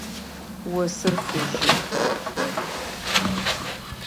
Осыр фыжьы.